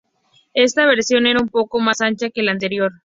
Esta versión era un poco más ancha que la anterior.